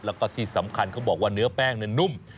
แล้วก็ที่สำคัญเขาบอกว่าเนื้อแป้งนุ่ม